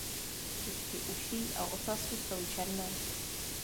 Špičky uší a ocasu jsou černé.